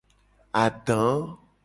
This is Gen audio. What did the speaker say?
Ada.